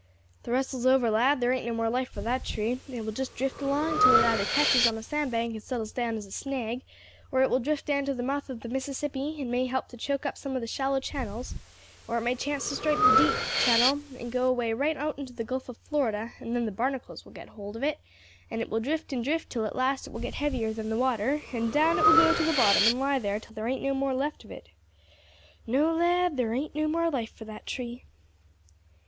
"The wrestle is over, lad, there ain't no more life for that tree; it will just drift along till it either catches on a sandbank and settles down as a snag, or it will drift down to the mouth of the Mississippi, and may be help to choke up some of the shallow channels, or it may chance to strike the deep channel, and go away right out into the Gulf of Florida, and then the barnacles will get hold of it, and it will drift and drift till at last it will get heavier than the water, and then down it will go to the bottom and lie there till there ain't no more left of it. No, lad, there ain't no more life for that tree."